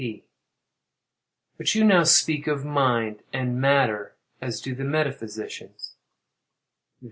P. But you now speak of "mind" and "matter" as do the metaphysicians.